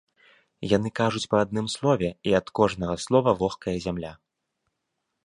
Яны кажуць па адным слове, і ад кожнага слова вохкае зямля.